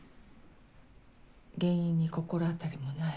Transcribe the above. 原因に心当たりもない？